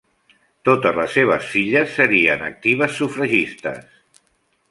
Totes les seves filles serien actives sufragistes.